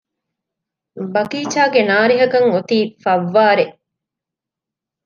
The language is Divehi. ބަގީޗާގެ ނާރެހަކަށް އޮތީ ފައްވާރެއް